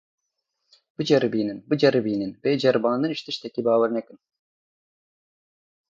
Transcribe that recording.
Biceribînin, biceribînin, bê ceribandin ji tiştekî bawer nekin.